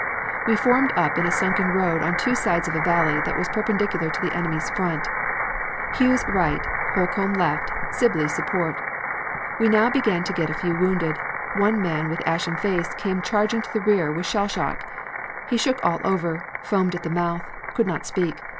We formed up in a sunken road on two sides of a valley that was perpendicular to the enemy's front; Hughes right, Holcomb left, Sibley support. We now began to get a few wounded; one man with ashen face came charging to the rear with shell shock. He shook all over, foamed at the mouth, could not speak.